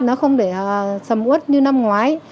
nó không để sầm út như năm ngoái